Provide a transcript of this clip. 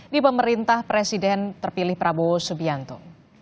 di pemerintah presiden terpilih prabowo subianto